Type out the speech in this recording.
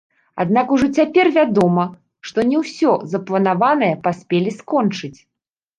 Аднак ужо цяпер вядома, што не ўсё запланаванае паспелі скончыць.